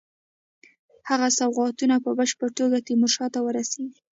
هغه سوغاتونه په بشپړه توګه تیمورشاه ته ورسیږي.